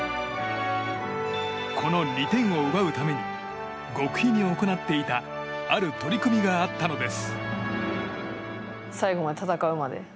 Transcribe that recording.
この２点を奪うために極秘に行っていたある取り組みがあったのです。